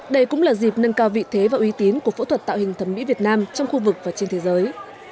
đây cũng là dịp nâng cao vị thế và uy tín của phẫu thuật tạo hình thẩm mỹ việt nam trong khu vực và trên thế giới